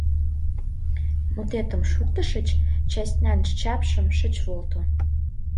Мутетым шуктышыч, частьнан чапшым шыч волто!